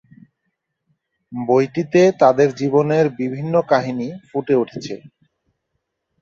বইটিতে তাদের জীবনের বিভিন্ন কাহিনি ফুটে উঠেছে।